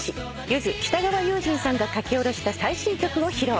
ゆず北川悠仁さんが書き下ろした最新曲を披露。